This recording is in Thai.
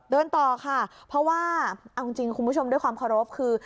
เดินต่อค่ะเพราะว่าเอาจริงคุณผู้ชมด้วยความเคารพคือ